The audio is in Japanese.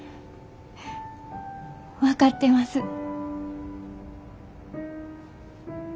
分かってます。